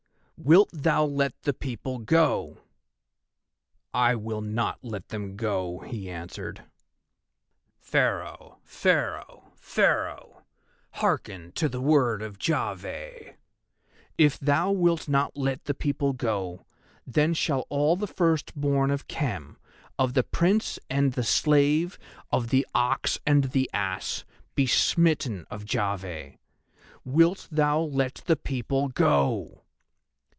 Wilt thou let the people go?" "I will not let them go," he answered. "Pharaoh! Pharaoh! Pharaoh! Hearken to the word of Jahveh. If thou wilt not let the people go, then shall all the firstborn of Khem, of the Prince and the slave, of the ox and the ass, be smitten of Jahveh. Wilt thou let the people go?"